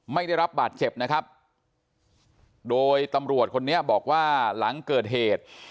ไม่ได้รับบาดเจ็บนะครับโดยตำรวจคนนี้บอกว่าหลังเกิดเหตุ